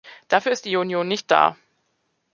Dafür ist die Union nicht da.